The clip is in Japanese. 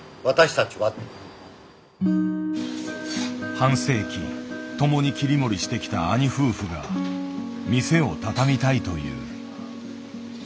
半世紀共に切り盛りしてきた兄夫婦が店を畳みたいという。